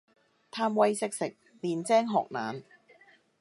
貪威識食，練精學懶